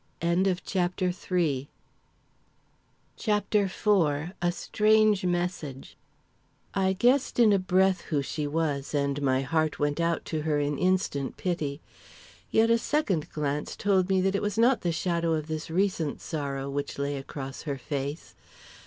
CHAPTER IV A Strange Message I guessed in a breath who she was, and my heart went out to her in instant pity. Yet a second glance told me that it was not the shadow of this recent sorrow which lay across her face.